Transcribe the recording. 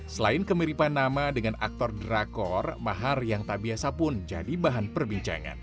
selain kemiripan nama dengan aktor drakor mahar yang tak biasa pun jadi bahan perbincangan